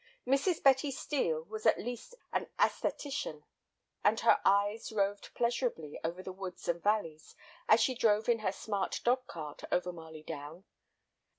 Mrs. Betty Steel was at least an æsthetician, and her eyes roved pleasurably over the woods and valleys as she drove in her smart dog cart over Marley Down.